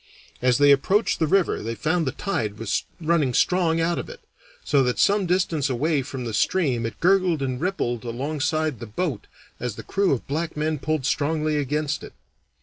As they approached the river they found the tide was running strong out of it, so that some distance away from the stream it gurgled and rippled alongside the boat as the crew of black men pulled strongly against it.